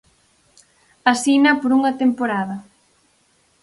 Asina por unha temporada.